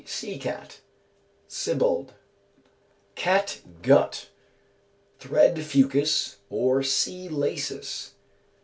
_ sea cat. SIBBALD. Cat gut. Thread fucus, or sea laces.